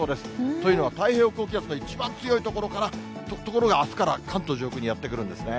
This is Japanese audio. というのは、太平洋高気圧の一番強い所から、あすから関東上空にやって来るんですね。